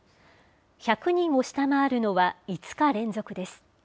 １００人を下回るのは５日連続です。